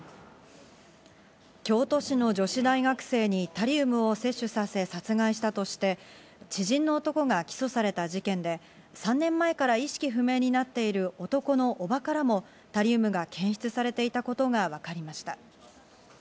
京都市の女子大学生に、タリウムを摂取させ殺害したとして、知人の男が起訴された事件で、３年前から意識不明になっている男の叔母からもタリウムが検出されていたことがわかりました。